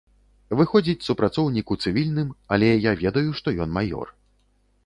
Выходзіць супрацоўнік у цывільным, але я ведаю, што ён маёр.